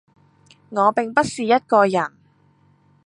我並不是一個人